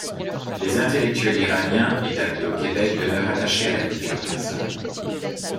Les intellectuels iraniens établis au Québec demeurent attachés à la culture persane.